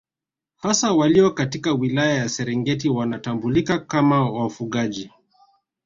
Hasa walio katika wilaya ya Serengeti wanatambulika kama wafugaji